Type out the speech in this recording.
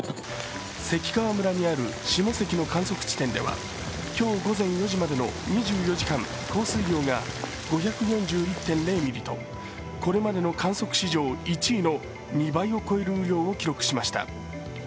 関川村にある下関の観測地点では今日午前４時までの２４時間降水量が５４１．０ミリとこれまでの観測史上１位の２倍を超える雨量を記録しました。